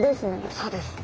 そうです。